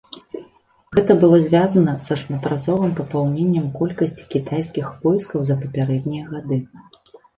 Гэта было звязана са шматразовым папаўненнем колькасці кітайскіх войскаў за папярэднія гады.